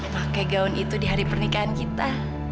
pakai gaun itu di hari pernikahan kita